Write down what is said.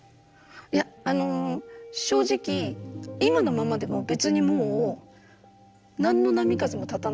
いやあの正直今のままでも別にもう何の波風も立たないんです。